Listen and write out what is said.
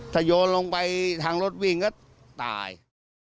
ถ้าโยนลงไปทางรถวิ่งก็ตาย